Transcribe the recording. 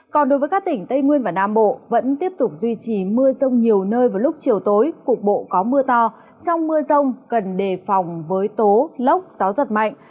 còn đối với các tỉnh tây nguyên và nam bộ vẫn tiếp tục duy trì mưa rông nhiều nơi vào lúc chiều tối cục bộ có mưa to trong mưa rông cần đề phòng với tố lốc gió giật mạnh